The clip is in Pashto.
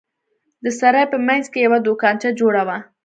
د سراى په منځ کښې يوه دوکانچه جوړه وه.